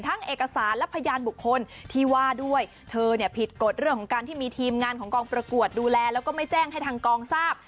เอกสารและพยานบุคคลที่ว่าด้วยเธอเนี่ยผิดกฎเรื่องของการที่มีทีมงานของกองประกวดดูแลแล้วก็ไม่แจ้งให้ทางกองทราบ